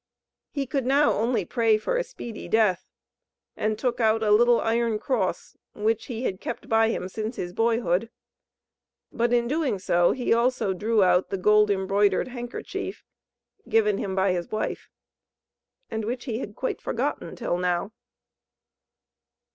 He could now only pray for a speedy death, and took out a little iron cross, which he had kept by him since his boyhood. But in doing so he also drew out the gold embroidered handkerchief, given him by his wife, and which he had quite forgotten till now.